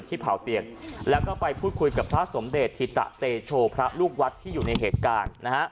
เผาเตียงแล้วก็ไปพูดคุยกับพระสมเดชธิตะเตโชพระลูกวัดที่อยู่ในเหตุการณ์นะฮะ